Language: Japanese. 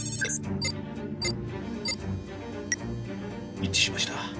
一致しました。